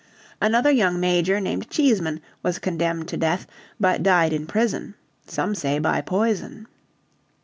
Another young Major named Cheesman was condemned to death, but died in prison, some say by poison.